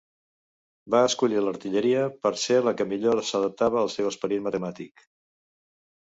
Va escollir l'artilleria, per ser la que millor s'adaptava al seu esperit matemàtic.